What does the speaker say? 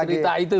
jangan cerita itu